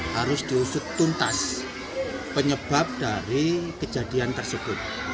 harus diusut tuntas penyebab dari kejadian tersebut